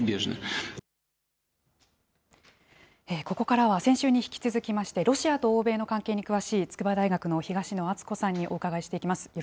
ここからは先週に引き続きまして、ロシアと欧米の関係に詳しい筑波大学の東野篤子さんにお伺いしていきます。